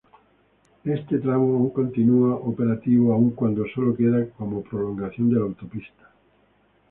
Este tramo aún continúa operativo aun cuando solo queda como prolongación de la autopista.